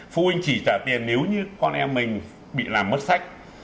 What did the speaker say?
phụ huynh chỉ trả tiền nếu như con em mình bị làm mất sách